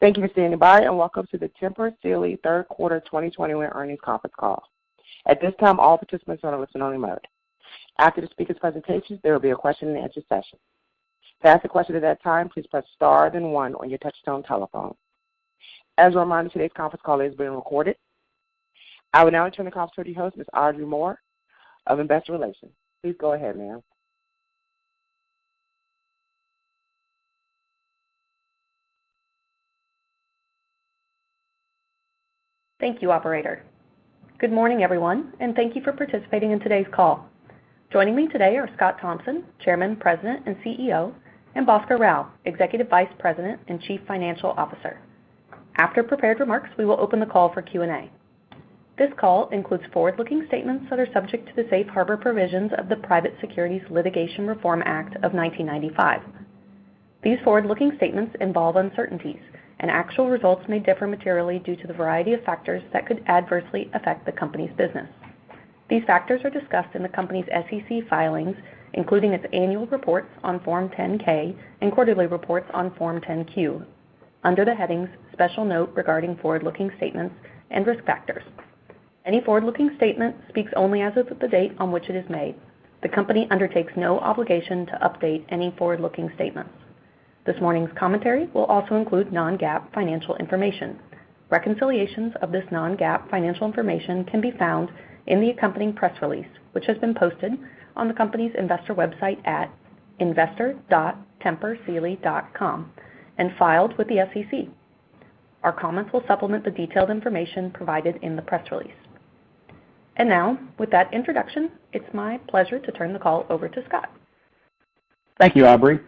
Thank you for standing by, and welcome to the Tempur Sealy third quarter 2021 earnings conference call. At this time, all participants are in listen-only mode. After the speakers' presentations, there will be a question-and-answer session. To ask a question at that time, please press star then one on your touchtone telephone. As a reminder, today's conference call is being recorded. I will now turn the call to your host, Ms. Aubrey Moore of Investor Relations. Please go ahead, ma'am. Thank you, operator. Good morning, everyone, and thank you for participating in today's call. Joining me today are Scott Thompson, Chairman, President, and CEO; and Bhaskar Rao, Executive Vice President and Chief Financial Officer. After prepared remarks, we will open the call for Q&A. This call includes forward-looking statements that are subject to the safe harbor provisions of the Private Securities Litigation Reform Act of 1995. These forward-looking statements involve uncertainties, and actual results may differ materially due to the variety of factors that could adversely affect the company's business. These factors are discussed in the company's SEC filings, including its annual reports on Form 10-K and quarterly reports on Form 10-Q, under the headings Special Note Regarding Forward-Looking Statements and Risk Factors. Any forward-looking statement speaks only as of the date on which it is made. The company undertakes no obligation to update any forward-looking statements. This morning's commentary will also include non-GAAP financial information. Reconciliations of this non-GAAP financial information can be found in the accompanying press release, which has been posted on the company's investor website at investor.tempursealy.com and filed with the SEC. Our comments will supplement the detailed information provided in the press release. Now, with that introduction, it's my pleasure to turn the call over to Scott. Thank you, Aubrey.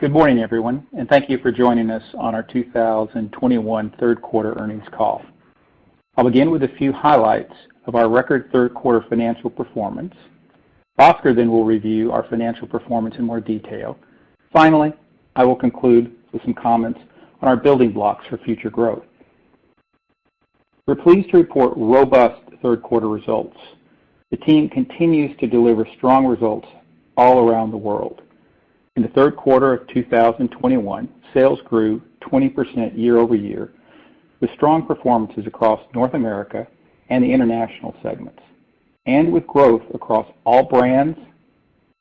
Good morning, everyone, and thank you for joining us on our 2021 third quarter earnings call. I'll begin with a few highlights of our record third quarter financial performance. Bhaskar then will review our financial performance in more detail. Finally, I will conclude with some comments on our building blocks for future growth. We're pleased to report robust third quarter results. The team continues to deliver strong results all around the world. In the third quarter of 2021, sales grew 20% year-over-year, with strong performances across North America and the international segments, and with growth across all brands,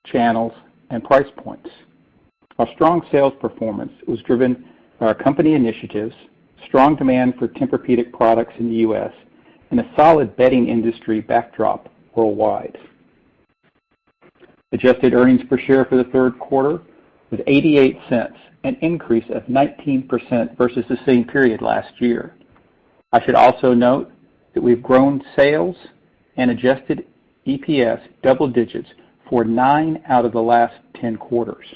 channels, and price points. Our strong sales performance was driven by our company initiatives, strong demand for Tempur-Pedic products in the U.S., and a solid bedding industry backdrop worldwide. Adjusted earnings per share for the third quarter was $0.88, an increase of 19% versus the same period last year. I should also note that we've grown sales and adjusted EPS double digits for nine out of the last 10 quarters.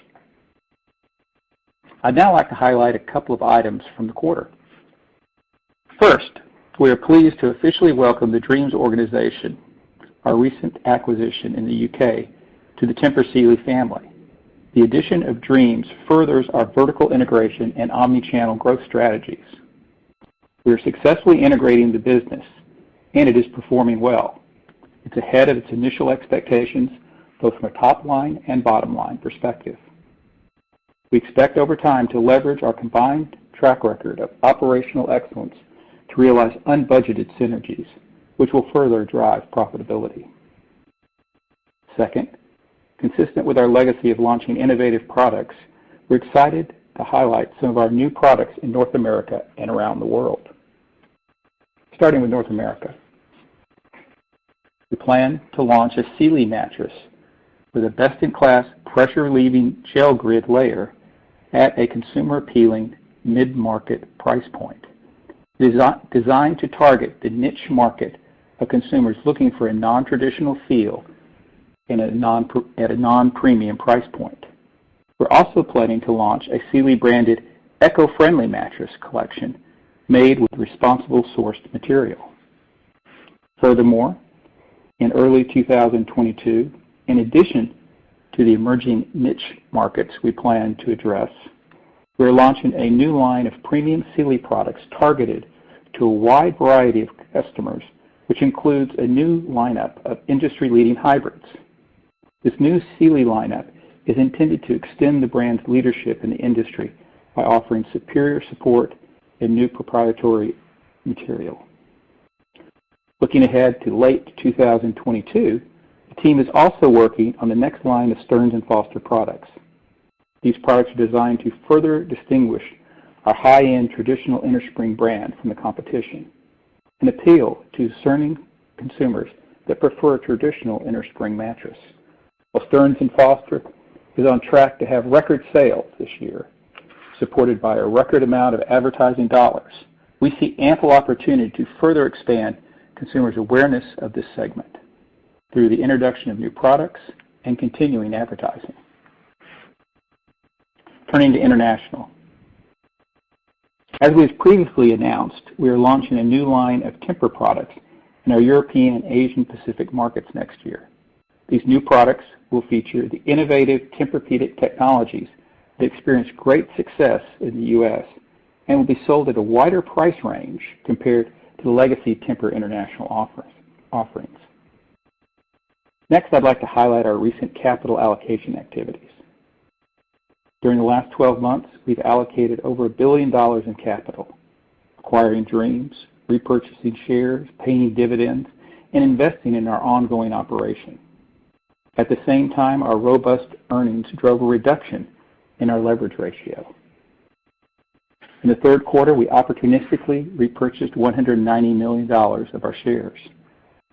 I'd now like to highlight a couple of items from the quarter. First, we are pleased to officially welcome the Dreams organization, our recent acquisition in the U.K., to the Tempur Sealy family. The addition of Dreams furthers our vertical integration and omni-channel growth strategies. We are successfully integrating the business and it is performing well. It's ahead of its initial expectations, both from a top-line and bottom-line perspective. We expect over time to leverage our combined track record of operational excellence to realize unbudgeted synergies, which will further drive profitability. Second, consistent with our legacy of launching innovative products, we're excited to highlight some of our new products in North America and around the world. Starting with North America. We plan to launch a Sealy mattress with a best-in-class pressure-relieving gel grid layer at a consumer-appealing mid-market price point. Specially designed to target the niche market of consumers looking for a non-traditional feel at a non-premium price point. We're also planning to launch a Sealy-branded eco-friendly mattress collection made with responsibly sourced material. Furthermore, in early 2022, in addition to the emerging niche markets we plan to address, we're launching a new line of premium Sealy products targeted to a wide variety of customers, which includes a new lineup of industry-leading hybrids. This new Sealy lineup is intended to extend the brand's leadership in the industry by offering superior support and new proprietary material. Looking ahead to late 2022, the team is also working on the next line of Stearns & Foster products. These products are designed to further distinguish our high-end traditional innerspring brand from the competition and appeal to discerning consumers that prefer a traditional innerspring mattress. While Stearns & Foster is on track to have record sales this year, supported by a record amount of advertising dollars, we see ample opportunity to further expand consumers' awareness of this segment through the introduction of new products and continuing advertising. Turning to international. As we have previously announced, we are launching a new line of Tempur products in our European and Asia Pacific markets next year. These new products will feature the innovative Tempur-Pedic technologies that experience great success in the U.S. and will be sold at a wider price range compared to the legacy Tempur international offerings. Next, I'd like to highlight our recent capital allocation activities. During the last 12 months, we've allocated over $1 billion in capital, acquiring Dreams, repurchasing shares, paying dividends, and investing in our ongoing operation. At the same time, our robust earnings drove a reduction in our leverage ratio. In the third quarter, we opportunistically repurchased $190 million of our shares,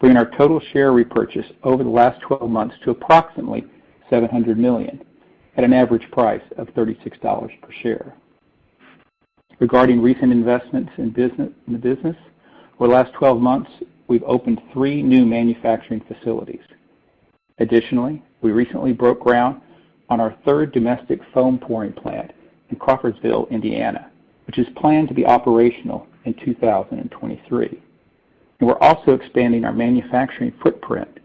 bringing our total share repurchase over the last 12 months to approximately $700 million at an average price of $36 per share. Regarding recent investments in the business, over the last 12 months, we've opened three new manufacturing facilities. Additionally, we recently broke ground on our third domestic foam pouring plant in Crawfordsville, Indiana, which is planned to be operational in 2023. We're also expanding our manufacturing footprint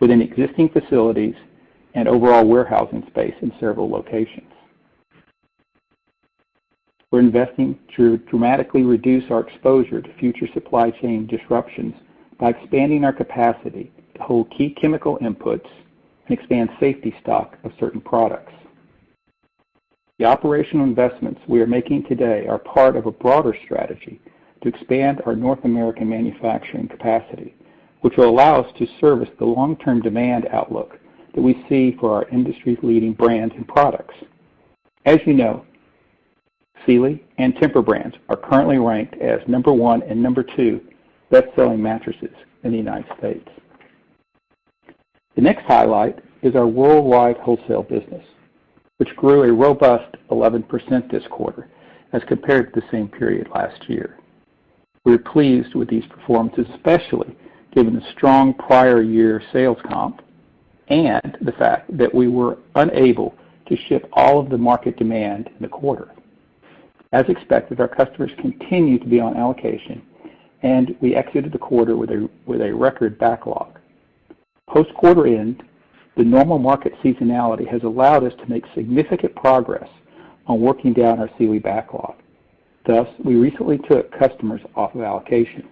within existing facilities and overall warehousing space in several locations. We're investing to dramatically reduce our exposure to future supply chain disruptions by expanding our capacity to hold key chemical inputs and expand safety stock of certain products. The operational investments we are making today are part of a broader strategy to expand our North American manufacturing capacity, which will allow us to service the long-term demand outlook that we see for our industry-leading brands and products. As you know, Sealy and Tempur brands are currently ranked as number one and number two best-selling mattresses in the United States. The next highlight is our worldwide wholesale business, which grew a robust 11% this quarter as compared to the same period last year. We're pleased with these performances, especially given the strong prior year sales comp and the fact that we were unable to ship all of the market demand in the quarter. As expected, our customers continued to be on allocation, and we exited the quarter with a record backlog. Post-quarter end, the normal market seasonality has allowed us to make significant progress on working down our Sealy backlog. Thus, we recently took customers off of allocation.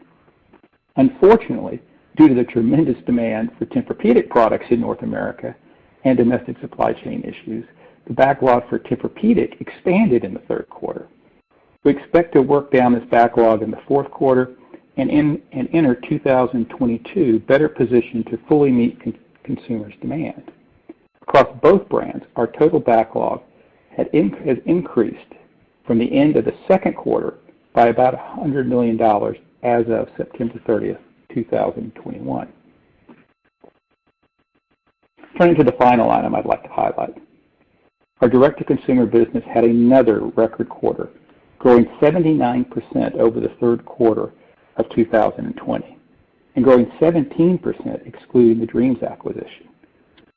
Unfortunately, due to the tremendous demand for Tempur-Pedic products in North America and domestic supply chain issues, the backlog for Tempur-Pedic expanded in the third quarter. We expect to work down this backlog in the fourth quarter and enter 2022 better positioned to fully meet consumer demand. Across both brands, our total backlog has increased from the end of the second quarter by about $100 million as of September 30th, 2021. Turning to the final item I'd like to highlight. Our direct-to-consumer business had another record quarter, growing 79% over the third quarter of 2020, and growing 17% excluding the Dreams acquisition.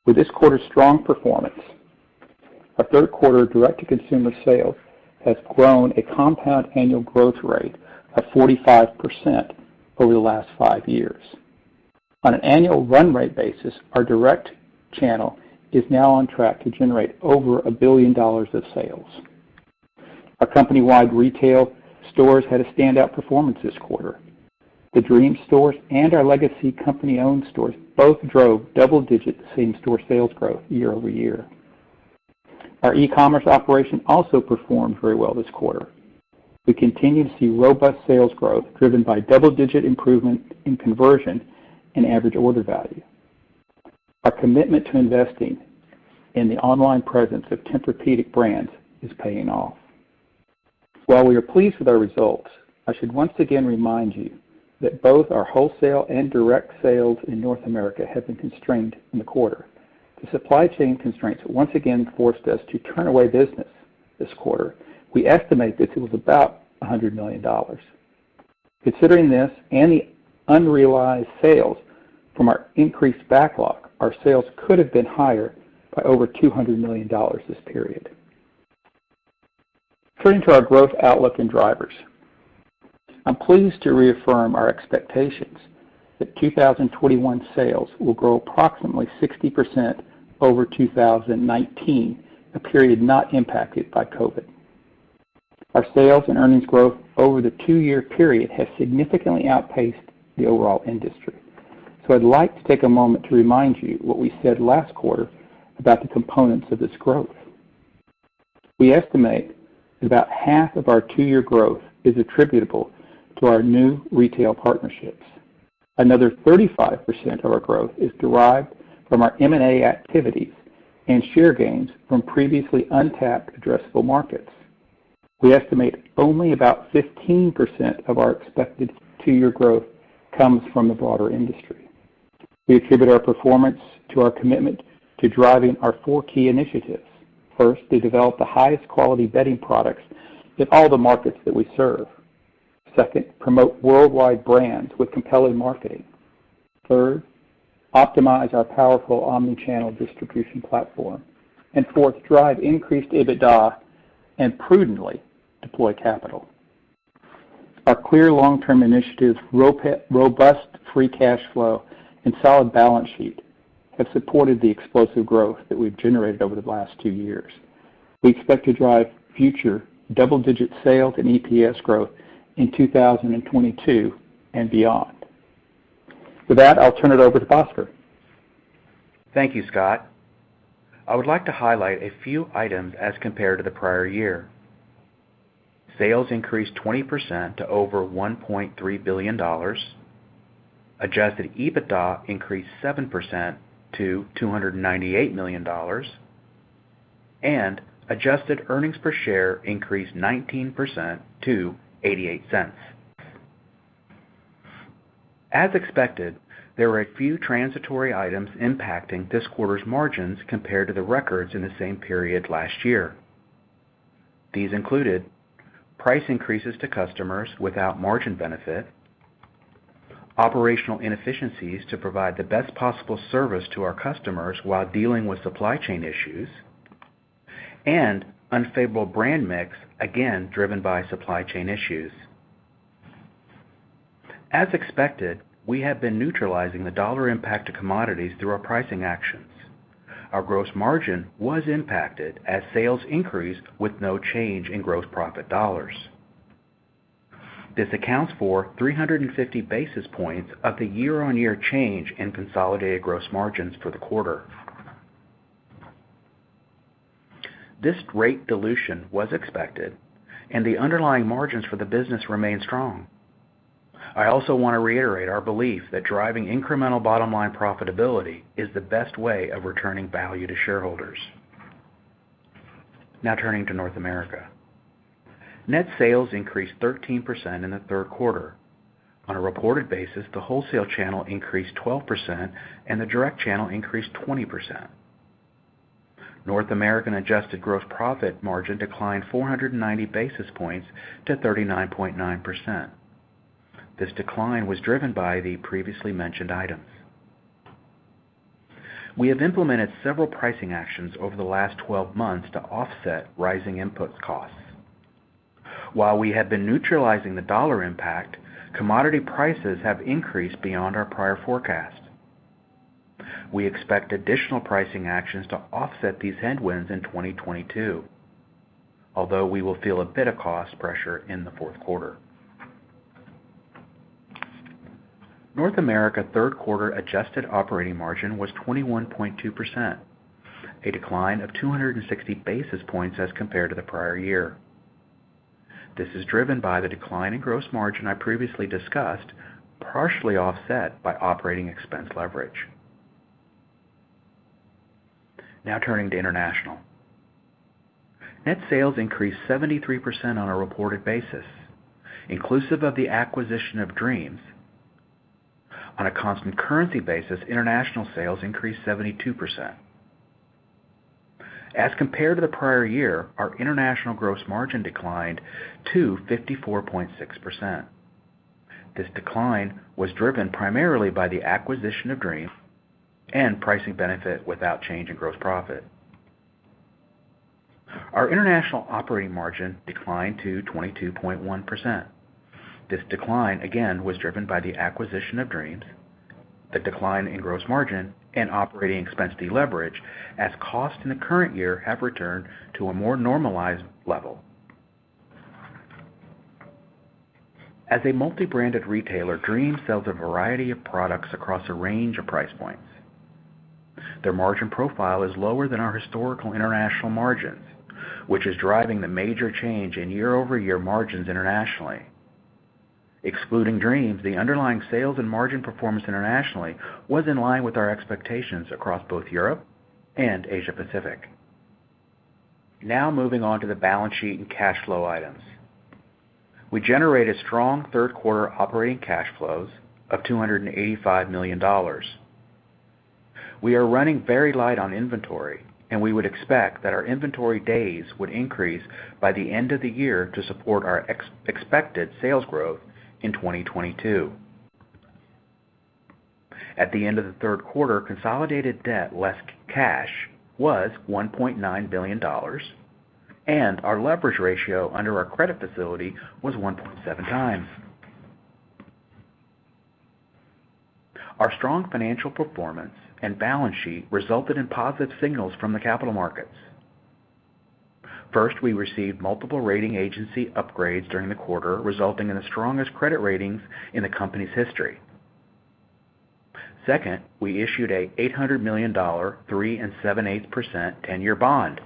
With this quarter's strong performance, our third quarter direct-to-consumer sales has grown a compound annual growth rate of 45% over the last five years. On an annual run rate basis, our direct channel is now on track to generate over $1 billion of sales. Our company-wide retail stores had a standout performance this quarter. The Dreams stores and our legacy company-owned stores both drove double-digit same-store sales growth year-over-year. Our e-commerce operation also performed very well this quarter. We continue to see robust sales growth driven by double-digit improvement in conversion and average order value. Our commitment to investing in the online presence of Tempur-Pedic brands is paying off. While we are pleased with our results, I should once again remind you that both our wholesale and direct sales in North America have been constrained in the quarter. The supply chain constraints once again forced us to turn away business this quarter. We estimate that it was about $100 million. Considering this and the unrealized sales from our increased backlog, our sales could have been higher by over $200 million this period. Turning to our growth outlook and drivers. I'm pleased to reaffirm our expectations that 2021 sales will grow approximately 60% over 2019, a period not impacted by COVID. Our sales and earnings growth over the two-year period has significantly outpaced the overall industry. I'd like to take a moment to remind you what we said last quarter about the components of this growth. We estimate about half of our two-year growth is attributable to our new retail partnerships. Another 35% of our growth is derived from our M&A activities and share gains from previously untapped addressable markets. We estimate only about 15% of our expected two-year growth comes from the broader industry. We attribute our performance to our commitment to driving our four key initiatives. First, to develop the highest quality bedding products in all the markets that we serve. Second, promote worldwide brands with compelling marketing. Third, optimize our powerful omni-channel distribution platform. Fourth, drive increased EBITDA and prudently deploy capital. Our clear long-term initiatives, robust free cash flow, and solid balance sheet have supported the explosive growth that we've generated over the last two years. We expect to drive future double-digit sales and EPS growth in 2022 and beyond. With that, I'll turn it over to Bhaskar Rao. Thank you, Scott. I would like to highlight a few items as compared to the prior year. Sales increased 20% to over $1.3 billion. Adjusted EBITDA increased 7% to $298 million, and adjusted earnings per share increased 19% to $0.88. As expected, there were a few transitory items impacting this quarter's margins compared to the records in the same period last year. These included price increases to customers without margin benefit, operational inefficiencies to provide the best possible service to our customers while dealing with supply chain issues, and unfavorable brand mix, again driven by supply chain issues. As expected, we have been neutralizing the dollar impact to commodities through our pricing actions. Our gross margin was impacted as sales increased with no change in gross profit dollars. This accounts for 350 basis points of the year-on-year change in consolidated gross margins for the quarter. This rate dilution was expected and the underlying margins for the business remain strong. I also wanna reiterate our belief that driving incremental bottom line profitability is the best way of returning value to shareholders. Now turning to North America. Net sales increased 13% in the third quarter. On a reported basis, the wholesale channel increased 12% and the direct channel increased 20%. North American adjusted gross profit margin declined 490 basis points to 39.9%. This decline was driven by the previously mentioned items. We have implemented several pricing actions over the last 12 months to offset rising input costs. While we have been neutralizing the dollar impact, commodity prices have increased beyond our prior forecast. We expect additional pricing actions to offset these headwinds in 2022, although we will feel a bit of cost pressure in the fourth quarter. North America third-quarter adjusted operating margin was 21.2%, a decline of 260 basis points as compared to the prior year. This is driven by the decline in gross margin I previously discussed, partially offset by operating expense leverage. Now turning to international. Net sales increased 73% on a reported basis, inclusive of the acquisition of Dreams. On a constant currency basis, international sales increased 72%. As compared to the prior year, our international gross margin declined to 54.6%. This decline was driven primarily by the acquisition of Dreams and pricing benefit without change in gross profit. Our international operating margin declined to 22.1%. This decline, again, was driven by the acquisition of Dreams, the decline in gross margin and operating expense deleverage as costs in the current year have returned to a more normalized level. As a multi-branded retailer, Dreams sells a variety of products across a range of price points. Their margin profile is lower than our historical international margins, which is driving the major change in year-over-year margins internationally. Excluding Dreams, the underlying sales and margin performance internationally was in line with our expectations across both Europe and Asia-Pacific. Now moving on to the balance sheet and cash flow items. We generated strong third-quarter operating cash flows of $285 million. We are running very light on inventory, and we would expect that our inventory days would increase by the end of the year to support our expected sales growth in 2022. At the end of the third quarter, consolidated debt, less cash was $1.9 billion, and our leverage ratio under our credit facility was 1.7x. Our strong financial performance and balance sheet resulted in positive signals from the capital markets. First, we received multiple rating agency upgrades during the quarter, resulting in the strongest credit ratings in the company's history. Second, we issued an $800 million 3% and 7% 8% 10-year bond,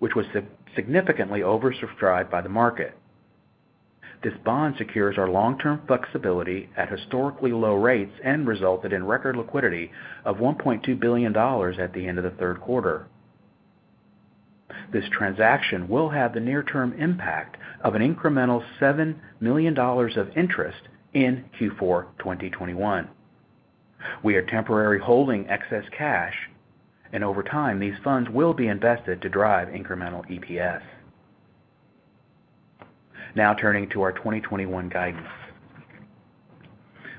which was significantly oversubscribed by the market. This bond secures our long-term flexibility at historically low rates and resulted in record liquidity of $1.2 billion at the end of the third quarter. This transaction will have the near-term impact of an incremental $7 million of interest in Q4 2021. We are temporarily holding excess cash, and over time, these funds will be invested to drive incremental EPS. Now turning to our 2021 guidance.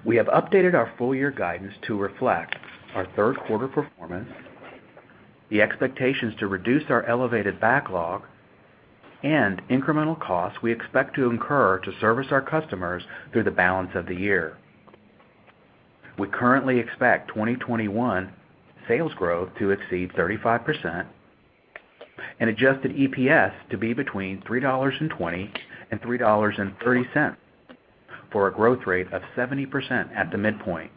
We have updated our full year guidance to reflect our third quarter performance, the expectations to reduce our elevated backlog and incremental costs we expect to incur to service our customers through the balance of the year. We currently expect 2021 sales growth to exceed 35% and adjusted EPS to be between $3.20 and $3.30 for a growth rate of 70% at the midpoint.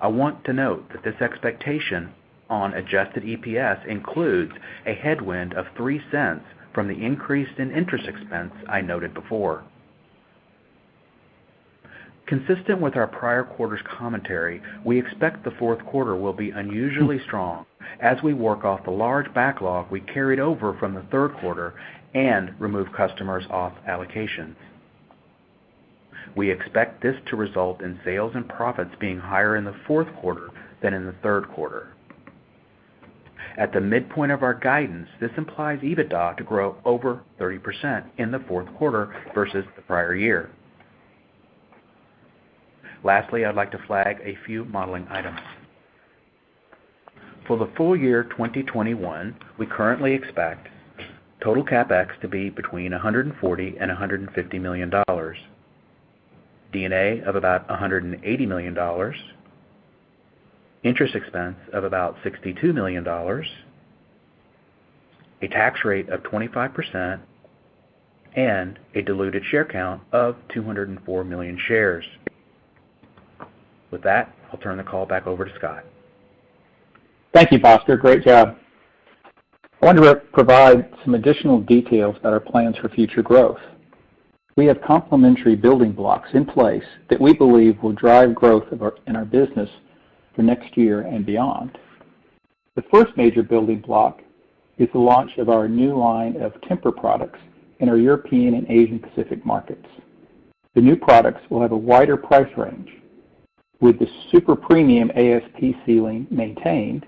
I want to note that this expectation on adjusted EPS includes a headwind of $0.03 from the increase in interest expense I noted before. Consistent with our prior quarter's commentary, we expect the fourth quarter will be unusually strong as we work off the large backlog we carried over from the third quarter and remove customers off allocations. We expect this to result in sales and profits being higher in the fourth quarter than in the third quarter. At the midpoint of our guidance, this implies EBITDA to grow over 30% in the fourth quarter versus the prior year. Lastly, I'd like to flag a few modeling items. For the full year 2021, we currently expect total CapEx to be between $140 million and $150 million, D&A of about $180 million, interest expense of about $62 million, a tax rate of 25%, and a diluted share count of 204 million shares. With that, I'll turn the call back over to Scott. Thank you, Foster. Great job. I wanted to provide some additional details about our plans for future growth. We have complementary building blocks in place that we believe will drive growth in our business for next year and beyond. The first major building block is the launch of our new line of Tempur products in our European and Asia Pacific markets. The new products will have a wider price range, with the super premium ASP Sealy maintained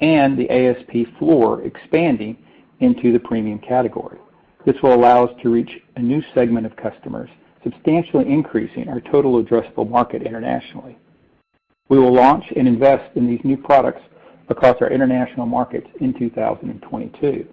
and the ASP floor expanding into the premium category. This will allow us to reach a new segment of customers, substantially increasing our total addressable market internationally. We will launch and invest in these new products across our international markets in 2022.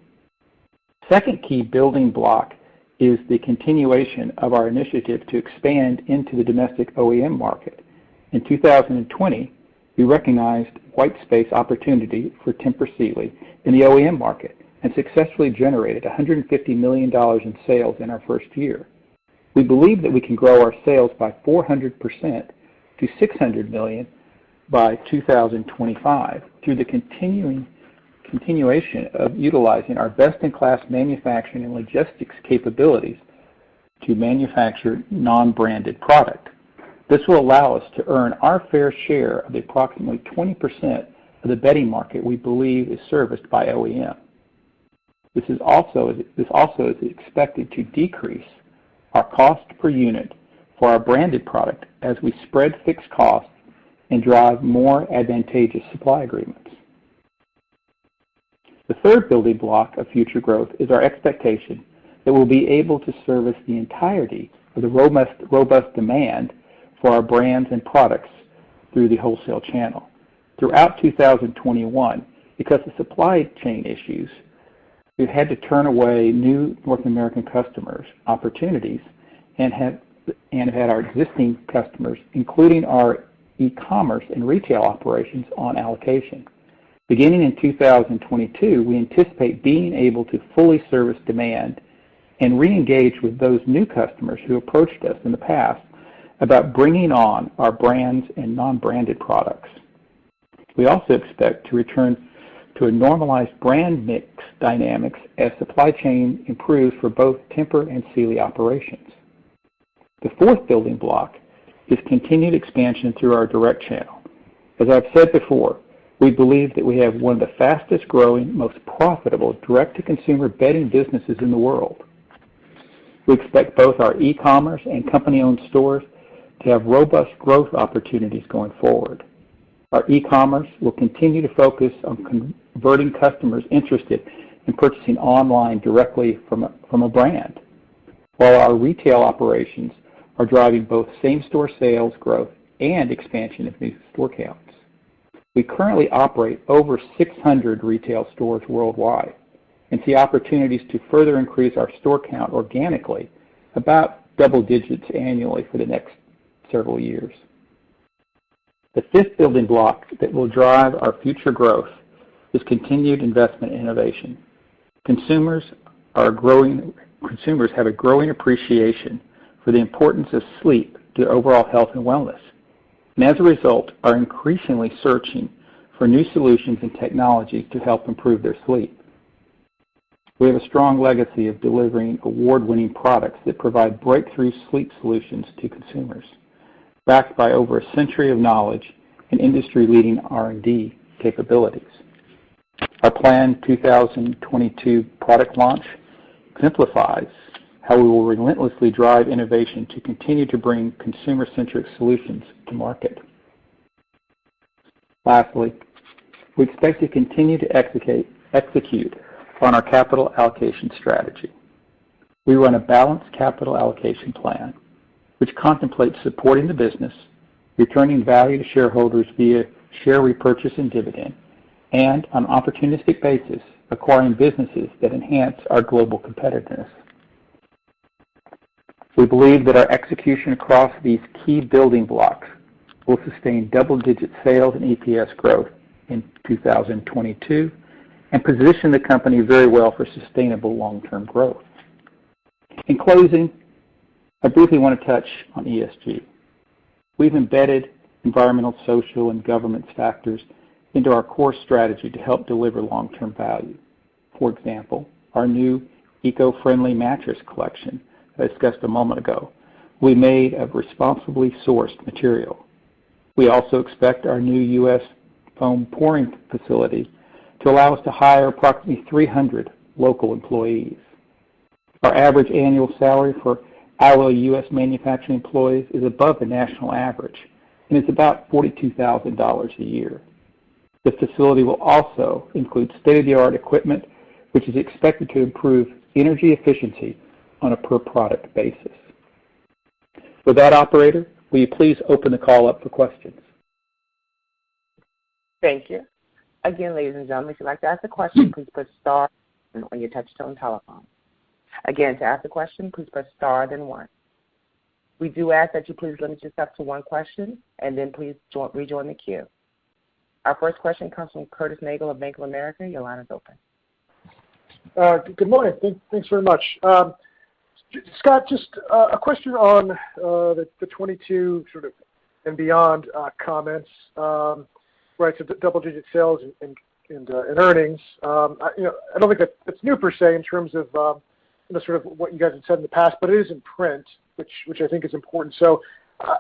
Second key building block is the continuation of our initiative to expand into the domestic OEM market. In 2020, we recognized white space opportunity for Tempur Sealy in the OEM market and successfully generated $150 million in sales in our first year. We believe that we can grow our sales by 400% to $600 million by 2025 through the continuation of utilizing our best-in-class manufacturing and logistics capabilities to manufacture non-branded product. This will allow us to earn our fair share of the approximately 20% of the bedding market we believe is serviced by OEM. This also is expected to decrease our cost per unit for our branded product as we spread fixed costs and drive more advantageous supply agreements. The third building block of future growth is our expectation that we'll be able to service the entirety of the robust demand for our brands and products through the wholesale channel. Throughout 2021, because of supply chain issues, we've had to turn away new North American customer opportunities and have had our existing customers, including our e-commerce and retail operations, on allocation. Beginning in 2022, we anticipate being able to fully service demand and reengage with those new customers who approached us in the past about bringing on our brands and non-branded products. We also expect to return to a normalized brand mix dynamics as supply chain improves for both Tempur and Sealy operations. The fourth building block is continued expansion through our direct channel. As I've said before, we believe that we have one of the fastest-growing, most profitable direct-to-consumer bedding businesses in the world. We expect both our e-commerce and company-owned stores to have robust growth opportunities going forward. Our e-commerce will continue to focus on converting customers interested in purchasing online directly from a brand, while our retail operations are driving both same-store sales growth and expansion of new store counts. We currently operate over 600 retail stores worldwide and see opportunities to further increase our store count organically about double digits annually for the next several years. The fifth building block that will drive our future growth is continued investment in innovation. Consumers have a growing appreciation for the importance of sleep to overall health and wellness, and as a result, are increasingly searching for new solutions and technologies to help improve their sleep. We have a strong legacy of delivering award-winning products that provide breakthrough sleep solutions to consumers, backed by over a century of knowledge and industry-leading R&D capabilities. Our planned 2022 product launch exemplifies how we will relentlessly drive innovation to continue to bring consumer-centric solutions to market. Lastly, we expect to continue to execute on our capital allocation strategy. We run a balanced capital allocation plan, which contemplates supporting the business, returning value to shareholders via share repurchase and dividend, and on an opportunistic basis, acquiring businesses that enhance our global competitiveness. We believe that our execution across these key building blocks will sustain double-digit sales and EPS growth in 2022 and position the company very well for sustainable long-term growth. In closing, I briefly wanna touch on ESG. We've embedded environmental, social, and governance factors into our core strategy to help deliver long-term value. For example, our new eco-friendly mattress collection I discussed a moment ago, we made of responsibly sourced material. We also expect our new U.S. foam pouring facility to allow us to hire approximately 300 local employees. Our average annual salary for hourly U.S. manufacturing employees is above the national average, and it's about $42,000 a year. The facility will also include state-of-the-art equipment, which is expected to improve energy efficiency on a per product basis. With that, operator, will you please open the call up for questions? Thank you. Again, ladies and gentlemen, if you'd like to ask a question, please press star on your touchtone telephone. Again, to ask a question, please press star, then one. We do ask that you please limit yourself to one question and then please rejoin the queue. Our first question comes from Curtis Nagle of Bank of America. Your line is open. Good morning. Thanks very much. Scott, just a question on the 2022 sort of and beyond comments, right, double-digit sales and earnings. You know, I don't think that's new per se in terms of you know sort of what you guys had said in the past, but it is in print, which I think is important.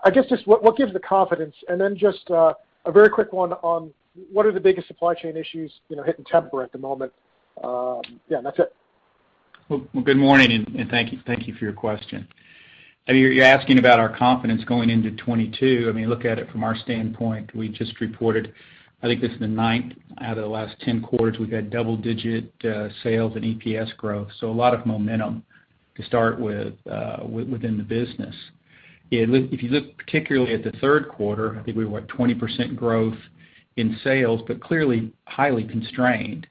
I guess just what gives the confidence? Then just a very quick one on what are the biggest supply chain issues, you know, hitting Tempur at the moment? Yeah, that's it. Well, good morning, and thank you for your question. I mean, you're asking about our confidence going into 2022. I mean, look at it from our standpoint. We just reported, I think this is the 9th out of the last 10 quarters we've had double-digit sales and EPS growth, so a lot of momentum to start with within the business. If you look particularly at the third quarter, I think we were at 20% growth in sales, but clearly highly constrained.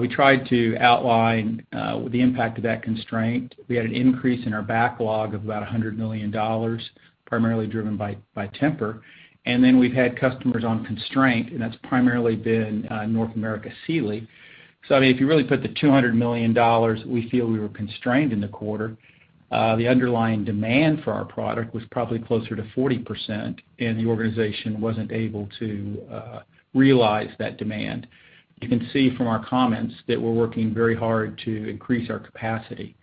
We tried to outline the impact of that constraint. We had an increase in our backlog of about $100 million, primarily driven by Tempur. We've had customers on constraint, and that's primarily been North America Sealy. I mean, if you really put the $200 million we feel we were constrained in the quarter, the underlying demand for our product was probably closer to 40%, and the organization wasn't able to realize that demand. You can see from our comments that we're working very hard to increase our capacity.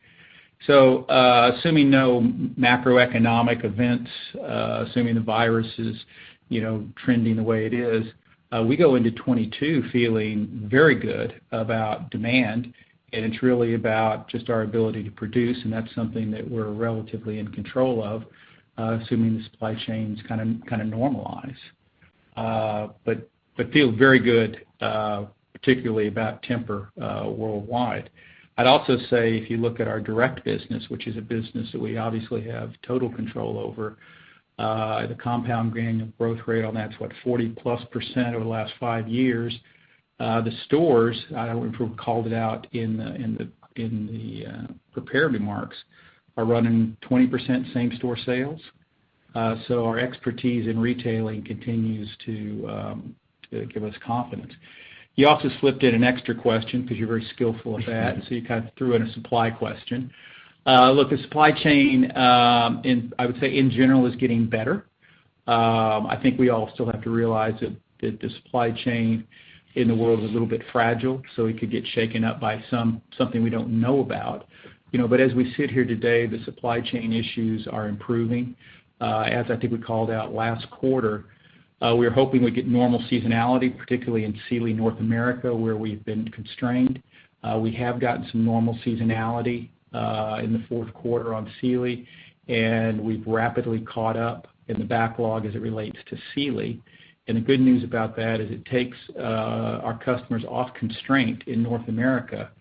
Assuming no macroeconomic events, assuming the virus is, you know, trending the way it is, we go into 2022 feeling very good about demand, and it's really about just our ability to produce, and that's something that we're relatively in control of, assuming the supply chains kind of normalize. But we feel very good, particularly about Tempur, worldwide. I'd also say if you look at our direct business, which is a business that we obviously have total control over, the compound annual growth rate on that's, what, 40%+ over the last five years. The stores, we called it out in the prepared remarks, are running 20% same store sales. Our expertise in retailing continues to give us confidence. You also slipped in an extra question because you're very skillful at that, and so you kind of threw in a supply question. Look, the supply chain, I would say in general is getting better. I think we all still have to realize that the supply chain in the world is a little bit fragile, so it could get shaken up by something we don't know about. You know, as we sit here today, the supply chain issues are improving. As I think we called out last quarter, we're hoping we get normal seasonality, particularly in Sealy North America, where we've been constrained. We have gotten some normal seasonality in the fourth quarter on Sealy, and we've rapidly caught up in the backlog as it relates to Sealy. The good news about that is it takes our customers off constraint in North America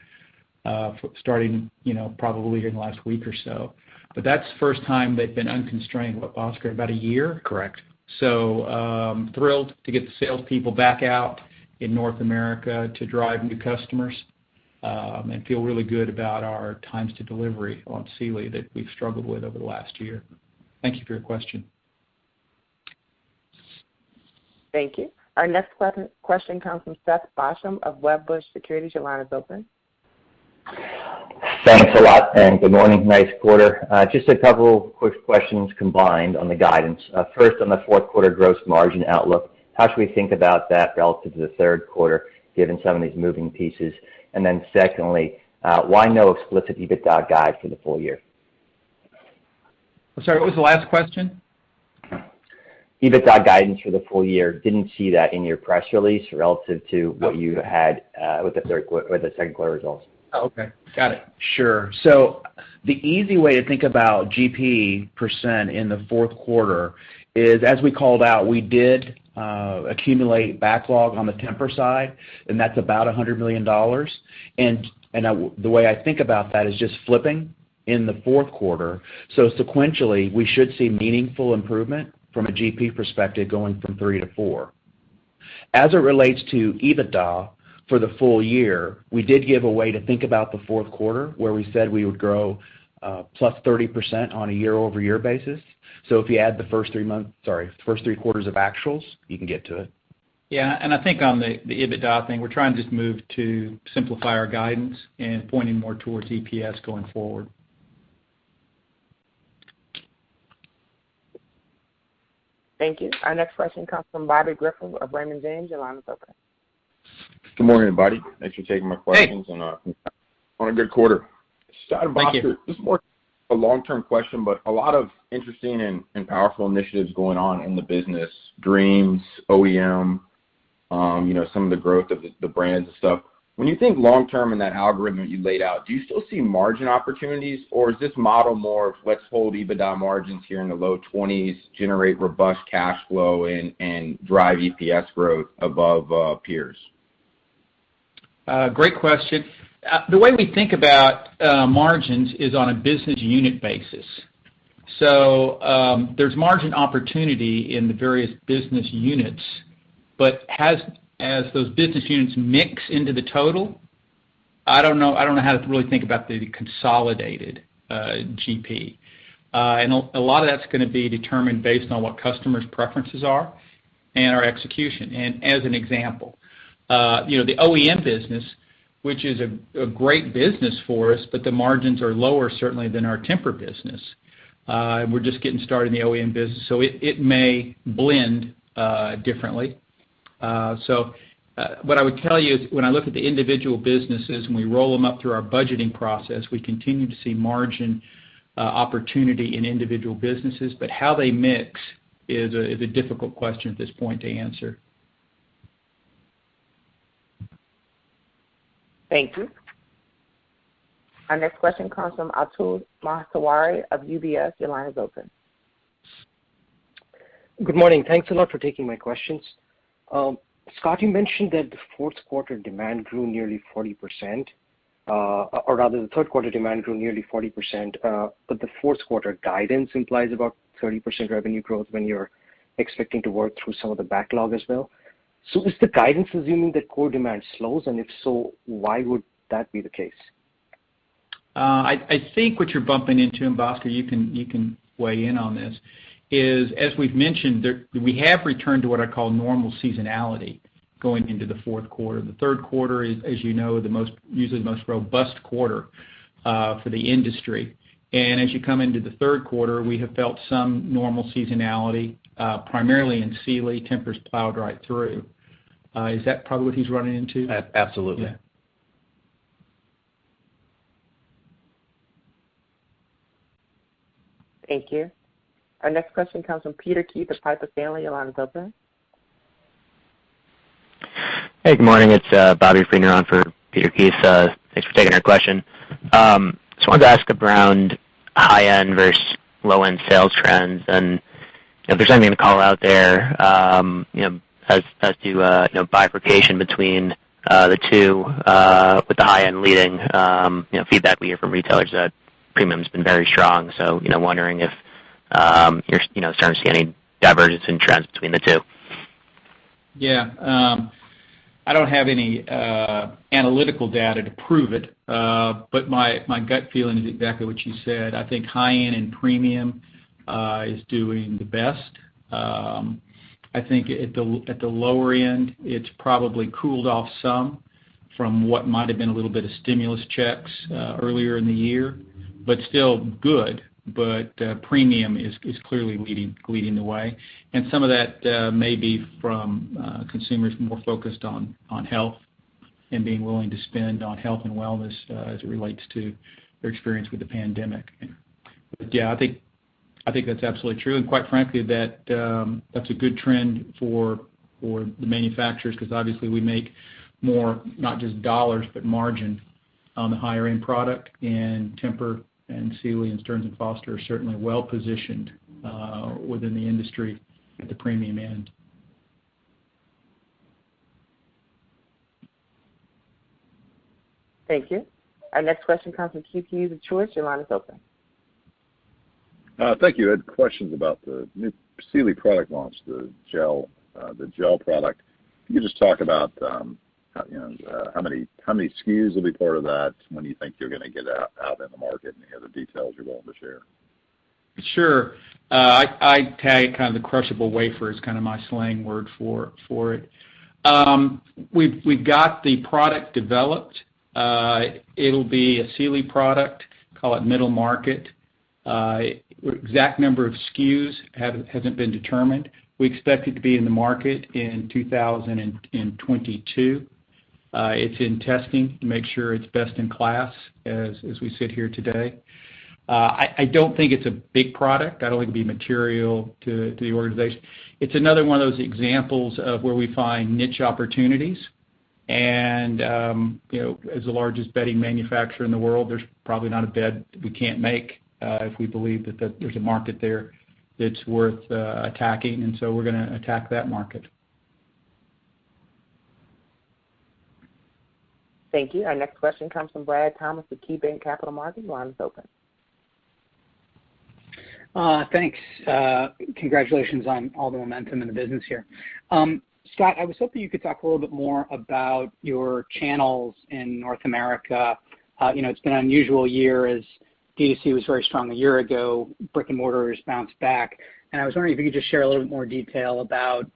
starting, you know, probably in the last week or so. That's the first time they've been unconstrained, what, Oscar, about a year? Correct. Thrilled to get the salespeople back out in North America to drive new customers, and feel really good about our times to delivery on Sealy that we've struggled with over the last year. Thank you for your question. Thank you. Our next question comes from Seth Basham of Wedbush Securities. Your line is open. Thanks a lot, and good morning. Nice quarter. Just a couple quick questions combined on the guidance. First on the fourth quarter gross margin outlook, how should we think about that relative to the third quarter, given some of these moving pieces? Secondly, why no explicit EBITDA guide for the full year? I'm sorry, what was the last question? EBITDA guidance for the full year. Didn't see that in your press release relative to what you had, or the second quarter results. Oh, okay. Got it. Sure. The easy way to think about GP% in the fourth quarter is, as we called out, we did accumulate backlog on the Tempur side, and that's about $100 million. The way I think about that is just flipping in the fourth quarter. Sequentially, we should see meaningful improvement from a GP perspective going from three to four. As it relates to EBITDA for the full year, we did give a way to think about the fourth quarter where we said we would grow +30% on a year-over-year basis. If you add the first three quarters of actuals, you can get to it. Yeah. I think on the EBITDA thing, we're trying to just move to simplify our guidance and pointing more towards EPS going forward. Thank you. Our next question comes from Bobby Griffin of Raymond James. Your line is open. Good morning, everybody. Thanks for taking my questions. Hey. on a good quarter. Thank you. To start, this is more a long-term question, but a lot of interesting and powerful initiatives going on in the business, Dreams, OEM, you know, some of the growth of the brands and stuff. When you think long term in that algorithm that you laid out, do you still see margin opportunities, or is this model more of let's hold EBITDA margins here in the low 20s%, generate robust cash flow and drive EPS growth above peers? Great question. The way we think about margins is on a business unit basis. There's margin opportunity in the various business units, but as those business units mix into the total, I don't know how to really think about the consolidated GP. A lot of that's gonna be determined based on what customers' preferences are and our execution. As an example, you know, the OEM business, which is a great business for us, but the margins are lower certainly than our Tempur business. We're just getting started in the OEM business, so it may blend differently. What I would tell you is when I look at the individual businesses and we roll them up through our budgeting process, we continue to see margin opportunity in individual businesses, but how they mix is a difficult question at this point to answer. Thank you. Our next question comes from Atul Maheswari of UBS. Your line is open. Good morning. Thanks a lot for taking my questions. Scott, you mentioned that the third quarter demand grew nearly 40%, but the fourth quarter guidance implies about 30% revenue growth when you're expecting to work through some of the backlog as well. Is the guidance assuming that core demand slows? If so, why would that be the case? I think what you're bumping into, and Bhaskar, you can weigh in on this, is, as we've mentioned there, we have returned to what I call normal seasonality going into the fourth quarter. The third quarter is, as you know, usually the most robust quarter for the industry. As you come into the third quarter, we have felt some normal seasonality, primarily in Sealy, Tempur's plowed right through. Is that probably what he's running into? Absolutely. Yeah. Thank you. Our next question comes from Peter Keith of Piper Sandler. Your line is open. Hey, good morning. It's Bobby Griffin for Peter Keith. Thanks for taking our question. Just wanted to ask around high-end versus low-end sales trends. If there's anything to call out there, you know, as to bifurcation between the two, with the high end leading, you know, feedback we hear from retailers that premium's been very strong. You know, wondering if you're starting to see any divergence in trends between the two. Yeah. I don't have any analytical data to prove it, but my gut feeling is exactly what you said. I think high end and premium is doing the best. I think at the lower end, it's probably cooled off some from what might have been a little bit of stimulus checks earlier in the year, but still good. Premium is clearly leading the way. Some of that may be from consumers more focused on health and being willing to spend on health and wellness as it relates to their experience with the pandemic. Yeah. I think that's absolutely true. Quite frankly, that's a good trend for the manufacturers, because obviously we make more, not just dollars, but margin on the higher end product. Tempur and Sealy and Stearns & Foster are certainly well positioned, within the industry at the premium end. Thank you. Our next question comes from Keith Hughes of Truist. Your line is open. Thank you. I had questions about the new Sealy product launch, the gel product. Can you just talk about how many SKUs will be part of that? When do you think you're gonna get out in the market, and any other details you're willing to share? Sure. I tag kind of the crushable wafer is kind of my slang word for it. We've got the product developed. It'll be a Sealy product, call it middle market. Exact number of SKUs hasn't been determined. We expect it to be in the market in 2022. It's in testing to make sure it's best in class as we sit here today. I don't think it's a big product. I don't think it'd be material to the organization. It's another one of those examples of where we find niche opportunities. You know, as the largest bedding manufacturer in the world, there's probably not a bed we can't make if we believe that there's a market there that's worth attacking. We're gonna attack that market. Thank you. Our next question comes from Brad Thomas with KeyBanc Capital Markets. Your line is open. Thanks. Congratulations on all the momentum in the business here. Scott, I was hoping you could talk a little bit more about your channels in North America. You know, it's been an unusual year as DTC was very strong a year ago, brick-and-mortar has bounced back. I was wondering if you could just share a little bit more detail about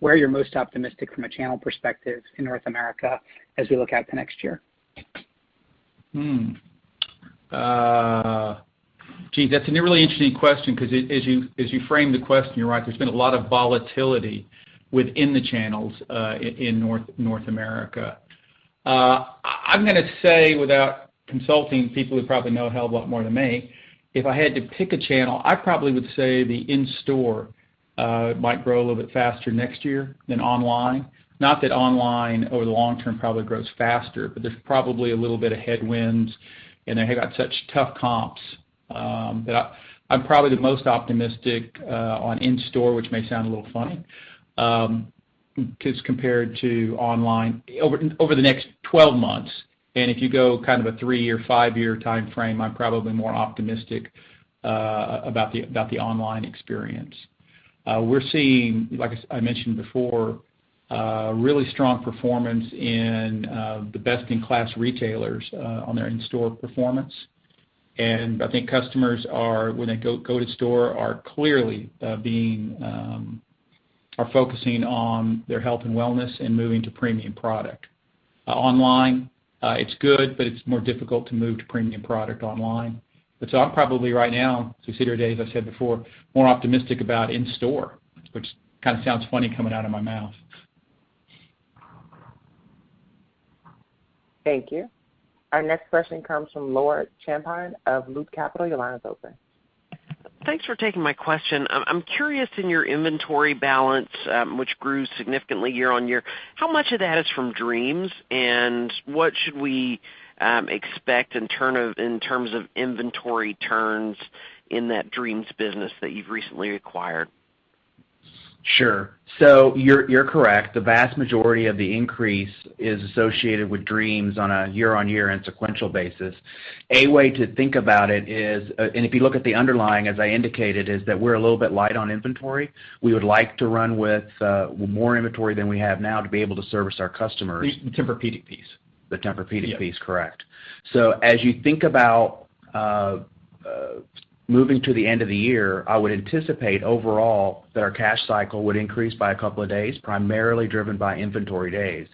where you're most optimistic from a channel perspective in North America as we look out to next year. Gee, that's a really interesting question, 'cause as you frame the question, you're right, there's been a lot of volatility within the channels in North America. I'm gonna say, without consulting people who probably know a hell of a lot more than me, if I had to pick a channel, I probably would say the in-store might grow a little bit faster next year than online. Not that online, over the long term, probably grows faster, but there's probably a little bit of headwinds, and they have got such tough comps, that I'm probably the most optimistic on in-store, which may sound a little funny, because compared to online over the next twelve months. If you go kind of a three-year, five-year timeframe, I'm probably more optimistic about the online experience. We're seeing, like I mentioned before, really strong performance in the best-in-class retailers on their in-store performance. I think customers are, when they go to store, clearly focusing on their health and wellness and moving to premium product. Online, it's good, but it's more difficult to move to premium product online. So I'm probably right now, considering today, as I said before, more optimistic about in-store, which kind of sounds funny coming out of my mouth. Thank you. Our next question comes from Laura Champine of Loop Capital. Your line is open. Thanks for taking my question. I'm curious in your inventory balance, which grew significantly year-over-year, how much of that is from Dreams? What should we expect in terms of inventory turns in that Dreams business that you've recently acquired? You're correct. The vast majority of the increase is associated with Dreams on a year-on-year and sequential basis. A way to think about it is, if you look at the underlying, as I indicated, is that we're a little bit light on inventory. We would like to run with more inventory than we have now to be able to service our customers. The Tempur-Pedic piece. The Tempur-Pedic piece, correct. As you think about moving to the end of the year, I would anticipate overall that our cash cycle would increase by a couple of days, primarily driven by inventory days.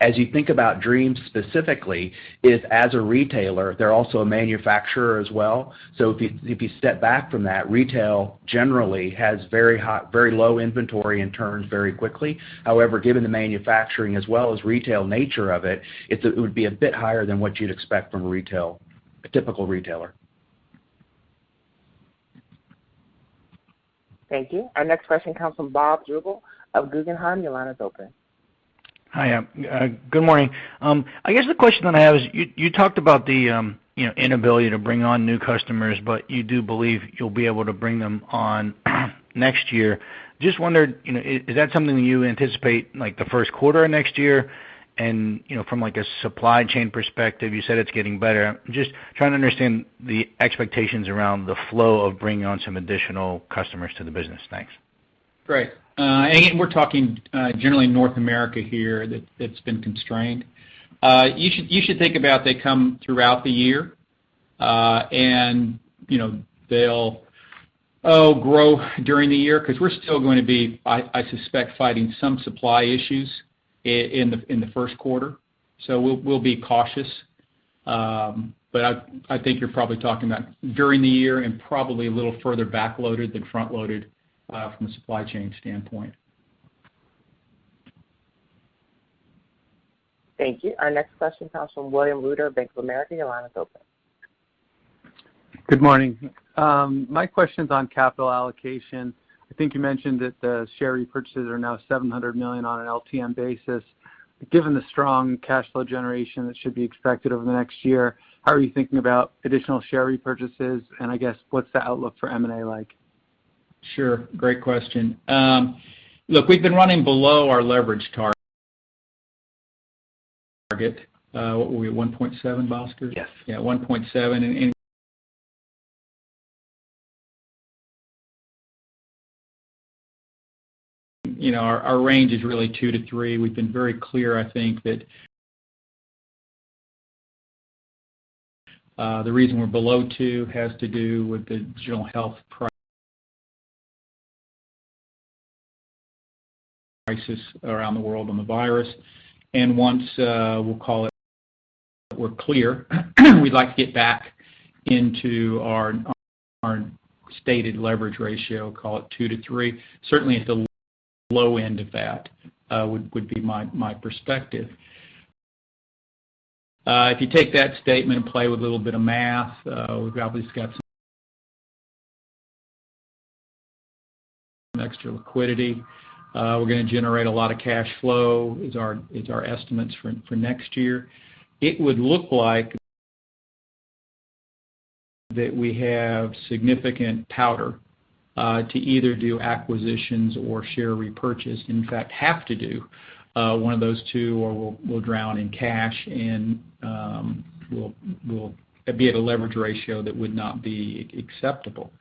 As you think about Dreams specifically, as a retailer, they're also a manufacturer as well. If you step back from that, retail generally has very low inventory and turns very quickly. However, given the manufacturing as well as retail nature of it would be a bit higher than what you'd expect from a typical retailer. Thank you. Our next question comes from Bob Jugil of Guggenheim. Your line is open. Hi, good morning. I guess the question that I have is you talked about the, you know, inability to bring on new customers, but you do believe you'll be able to bring them on next year. Just wondered, you know, is that something you anticipate like the first quarter of next year? You know, from like a supply chain perspective, you said it's getting better. Just trying to understand the expectations around the flow of bringing on some additional customers to the business. Thanks. Great. Again, we're talking generally North America here, that's been constrained. You should think about them coming throughout the year, and you know, they'll grow during the year because we're still gonna be, I suspect, fighting some supply issues in the first quarter. We'll be cautious. I think you're probably talking about during the year and probably a little further backloaded than front-loaded from a supply chain standpoint. Thank you. Our next question comes from William Reuter, Bank of America. Your line is open. Good morning. My question's on capital allocation. I think you mentioned that the share repurchases are now $700 million on an LTM basis. Given the strong cash flow generation that should be expected over the next year, how are you thinking about additional share repurchases? I guess what's the outlook for M&A like? Sure. Great question. Look, we've been running below our leverage target. What were we at, 1.7, Bhaskar? Yes. Yeah, 1.7. You know, our range is really two to three. We've been very clear, I think, that the reason we're below two has to do with the general health crisis around the world on the virus. Once we're clear, we'd like to get back into our stated leverage ratio, call it two to three. Certainly at the low end of that would be my perspective. If you take that statement and play with a little bit of math, we've obviously got some extra liquidity. We're gonna generate a lot of cash flow as our estimates for next year. It would look like that we have significant powder to either do acquisitions or share repurchase. In fact, we have to do one of those two or we'll drown in cash and we'll be at a leverage ratio that would not be acceptable.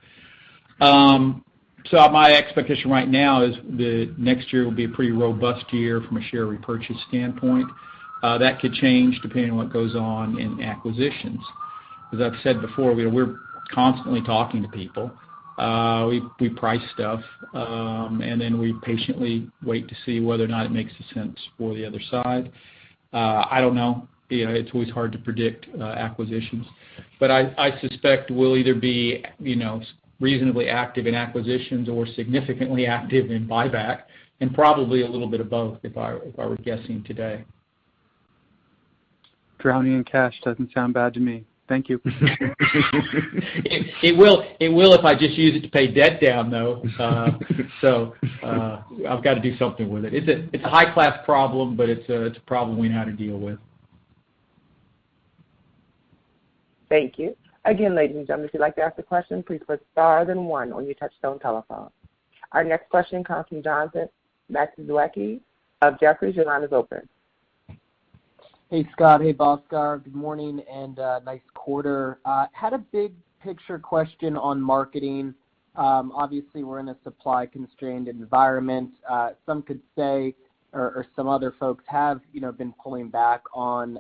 My expectation right now is that next year will be a pretty robust year from a share repurchase standpoint. That could change depending on what goes on in acquisitions. As I've said before, we're constantly talking to people. We price stuff and then we patiently wait to see whether or not it makes sense for the other side. I don't know, you know, it's always hard to predict acquisitions. I suspect we'll either be you know reasonably active in acquisitions or significantly active in buyback and probably a little bit of both, if I were guessing today. Drowning in cash doesn't sound bad to me. Thank you. It will if I just use it to pay debt down, though. I've got to do something with it. It's a high-class problem, but it's a problem we know how to deal with. Thank you. Again, ladies and gentlemen, if you'd like to ask a question, please press star then one on your touchtone telephone. Our next question comes from Jonathan Matuszewski of Jefferies. Your line is open. Hey, Scott. Hey, Bhaskar. Good morning and nice quarter. Had a big picture question on marketing. Obviously we're in a supply constrained environment. Some could say or some other folks have, you know, been pulling back on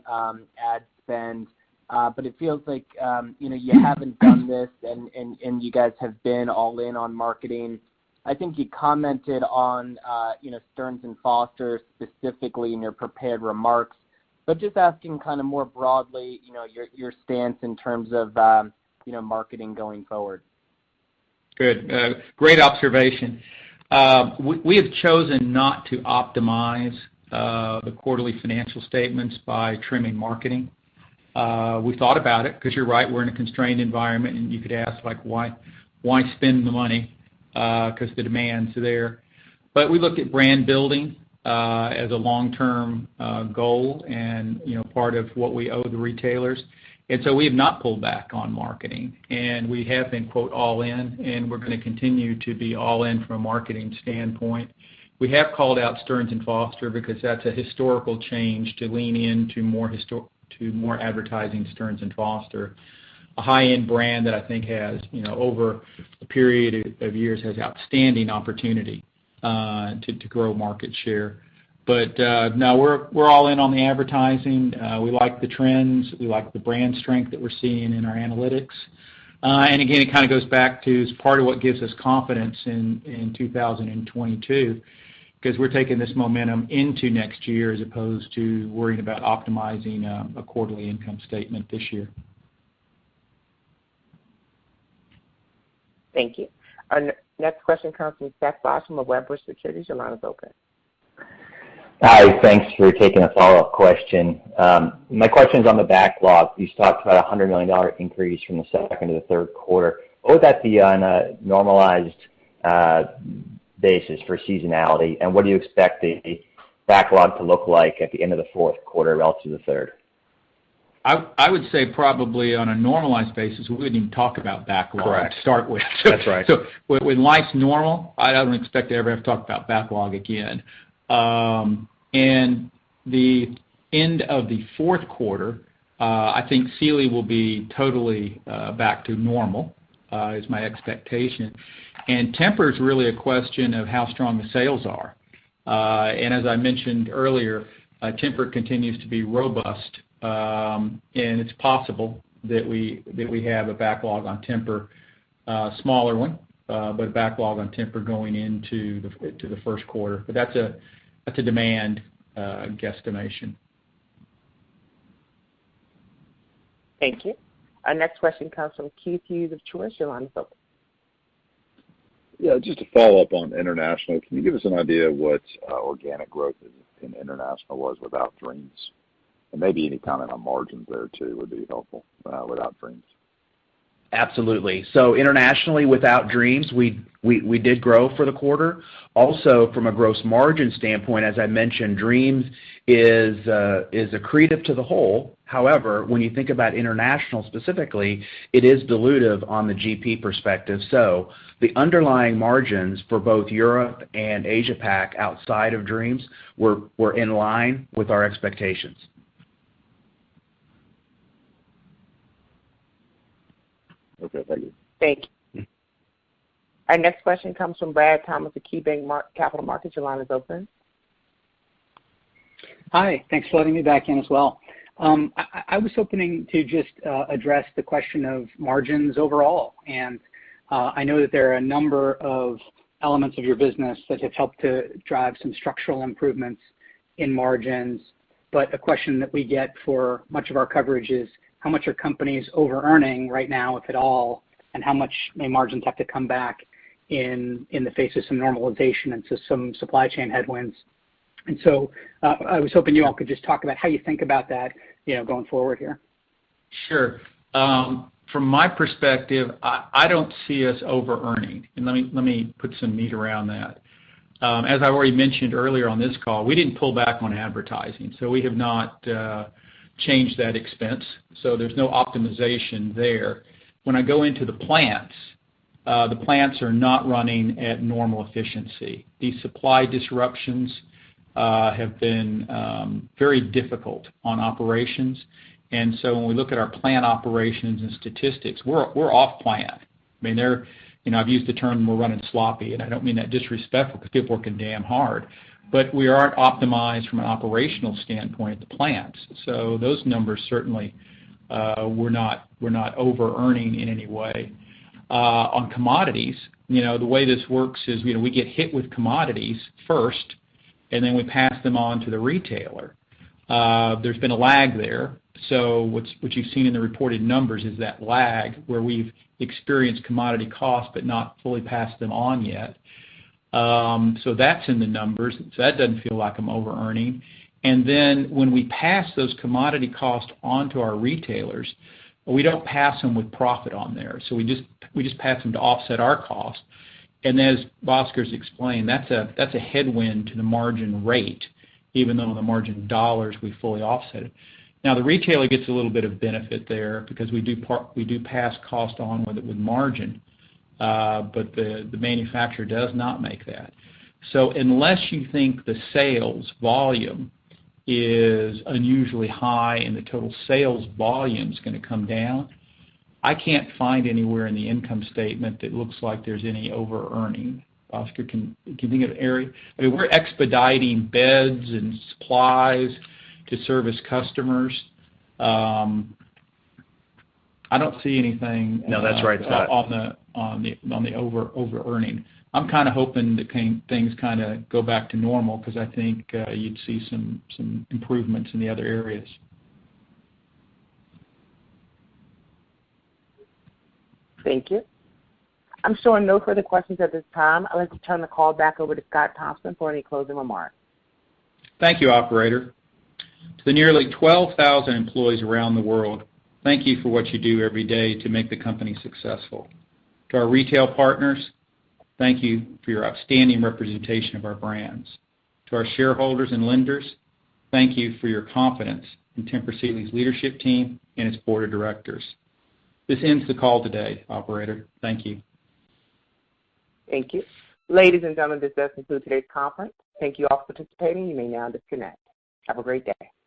ad spend. But it feels like you know, you haven't done this and you guys have been all in on marketing. I think you commented on you know, Stearns & Foster specifically in your prepared remarks, but just asking kind of more broadly, you know, your stance in terms of you know, marketing going forward. Good. Great observation. We have chosen not to optimize the quarterly financial statements by trimming marketing. We thought about it because you're right, we're in a constrained environment, and you could ask, like, why spend the money because the demand's there. We look at brand building as a long-term goal and, you know, part of what we owe the retailers. We have not pulled back on marketing. We have been, quote, all in, and we're gonna continue to be all in from a marketing standpoint. We have called out Stearns & Foster because that's a historical change to lean into more advertising Stearns & Foster, a high-end brand that I think has, you know, over a period of years, has outstanding opportunity to grow market share. No, we're all in on the advertising. We like the trends. We like the brand strength that we're seeing in our analytics. Again, it kind of goes back to as part of what gives us confidence in 2022, because we're taking this momentum into next year as opposed to worrying about optimizing a quarterly income statement this year. Thank you. Our next question comes from Seth Basham of Wedbush Securities. Your line is open. Hi, thanks for taking a follow-up question. My question's on the backlog. You talked about a $100 million increase from the second to the third quarter. What would that be on a normalized basis for seasonality and what do you expect the backlog to look like at the end of the fourth quarter relative to the third? I would say probably on a normalized basis, we wouldn't even talk about backlog. Correct. to start with. That's right. When life's normal, I don't expect to ever have to talk about backlog again. At the end of the fourth quarter, I think Sealy will be totally back to normal is my expectation. Tempur's really a question of how strong the sales are. As I mentioned earlier, Tempur continues to be robust, and it's possible that we have a backlog on Tempur, a smaller one, but backlog on Tempur going into the first quarter. That's a demand guesstimation. Thank you. Our next question comes from Keith Hughes of Truist. Your line is open. Yeah, just to follow up on international, can you give us an idea what organic growth in international was without Dreams? Maybe any comment on margins there too would be helpful, without Dreams. Absolutely. Internationally, without Dreams, we did grow for the quarter. Also, from a gross margin standpoint, as I mentioned, Dreams is accretive to the whole. However, when you think about international specifically, it is dilutive on the GP perspective. The underlying margins for both Europe and Asia Pac outside of Dreams were in line with our expectations. Okay, thank you. Thank you. Our next question comes from Brad Thomas of KeyBanc Capital Markets. Your line is open. Hi. Thanks for letting me back in as well. I was hoping to just address the question of margins overall. I know that there are a number of elements of your business that have helped to drive some structural improvements in margins. A question that we get for much of our coverage is, how much are companies overearning right now, if at all, and how much may margins have to come back in the face of some normalization into some supply chain headwinds? I was hoping you all could just talk about how you think about that, you know, going forward here. Sure. From my perspective, I don't see us overearning, and let me put some meat around that. As I already mentioned earlier on this call, we didn't pull back on advertising, so we have not changed that expense. There's no optimization there. When I go into the plants, the plants are not running at normal efficiency. These supply disruptions have been very difficult on operations. When we look at our plant operations and statistics, we're off plan. I mean, they're, you know, I've used the term we're running sloppy, and I don't mean that disrespectful because people are working damn hard. We aren't optimized from an operational standpoint at the plants. Those numbers certainly, we're not overearning in any way. On commodities, you know, the way this works is, you know, we get hit with commodities first, and then we pass them on to the retailer. There's been a lag there. What you've seen in the reported numbers is that lag where we've experienced commodity costs, but not fully passed them on yet. That's in the numbers. That doesn't feel like I'm overearning. Then when we pass those commodity costs on to our retailers, we don't pass them with profit on there. We just pass them to offset our costs. As Oscar's explained, that's a headwind to the margin rate, even though the margin dollars we fully offset. Now the retailer gets a little bit of benefit there because we do pass cost on with it with margin, but the manufacturer does not make that. Unless you think the sales volume is unusually high and the total sales volume is gonna come down, I can't find anywhere in the income statement that looks like there's any overearning. Oscar, can you think of an area? I mean, we're expediting beds and supplies to service customers. I don't see anything. No, that's right, Scott. On the overearning. I'm kinda hoping things kinda go back to normal because I think you'd see some improvements in the other areas. Thank you. I'm showing no further questions at this time. I'd like to turn the call back over to Scott Thompson for any closing remarks. Thank you, operator. To the nearly 12,000 employees around the world, thank you for what you do every day to make the company successful. To our retail partners, thank you for your outstanding representation of our brands. To our shareholders and lenders, thank you for your confidence in Tempur Sealy's leadership team and its board of directors. This ends the call today, operator. Thank you. Thank you. Ladies and gentlemen, this does conclude today's conference. Thank you all for participating. You may now disconnect. Have a great day.